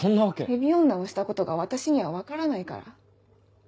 ヘビ女のしたことが私には分からないから。